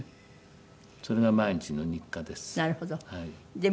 それが毎日の日課です。